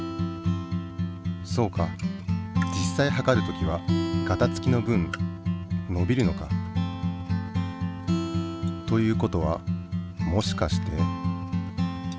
そうか実際はかる時はガタつきの分のびるのか。ということはもしかして。